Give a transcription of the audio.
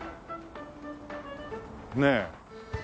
ねえ。